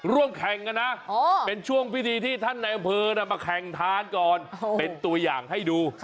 ร่วมแข่งกันนะเป็นช่วงพิธีที่ท่านในอำเภอมาแข่งทานก่อนเป็นตัวอย่างให้ดู